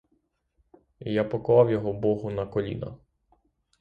Я поклав його богу на коліна.